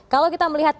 kalau kita melihat